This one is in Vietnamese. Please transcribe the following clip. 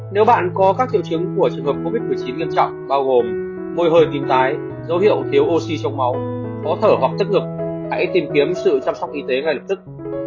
nếu bạn có các triệu chứng của trường hợp covid một mươi chín nghiêm trọng bao gồm hôi kín tái dấu hiệu thiếu oxy trong máu khó thở hoặc tức ngực hãy tìm kiếm sự chăm sóc y tế ngay lập tức